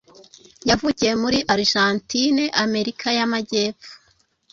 yavukiye muri argentine amerika yamajyepfo